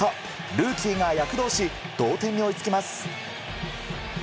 ルーキーが躍動し同点に追いつきます。